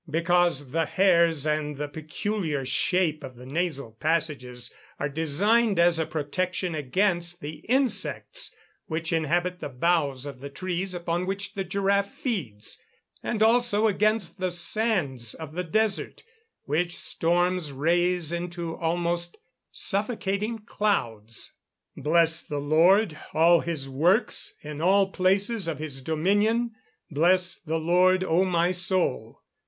_ Because the hairs and the peculiar shape of the nasal passages are designed as a protection against the insects which inhabit the boughs of the trees upon which the giraffe feeds; and also against the sands of the desert, which storms raise into almost suffocating clouds. [Illustration: Fig. 84. GIRAFFE FEEDING.] [Verse: "Bless the Lord, all his works, in all places of his dominion: bless the Lord, O my soul."